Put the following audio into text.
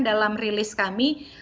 dalam rilis kami